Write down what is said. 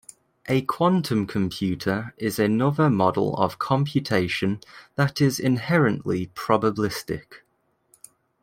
A quantum computer is another model of computation that is inherently probabilistic.